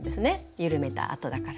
緩めたあとだから。